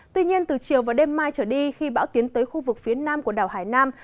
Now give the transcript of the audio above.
tuy nhiên từ chiều và đêm mai trở đi khi bão tiến tới khu vực phía nam của đảo hải nam